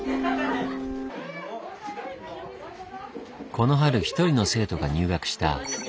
この春一人の生徒が入学した。